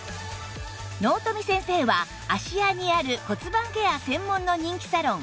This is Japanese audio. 納富先生は芦屋にある骨盤ケア専門の人気サロン